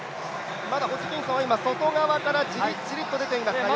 まだホジキンソンは外側からじりじりと出ています。